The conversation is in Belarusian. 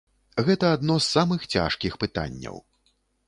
Гэта адно з самых цяжкіх пытанняў.